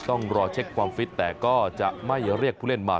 ต้องรอเช็คความฟิตแต่ก็จะไม่เรียกผู้เล่นมา